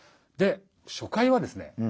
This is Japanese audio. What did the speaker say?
で初回はですね